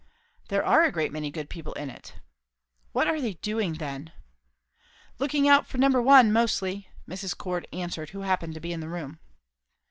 "There are a great many good people in it." "What are they doing, then?" "Looking out for Number One, mostly," Mrs. Cord answered, who happened to be in the room.